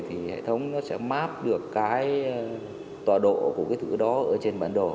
thì hệ thống nó sẽ map được cái tọa độ của cái thử đó ở trên bản đồ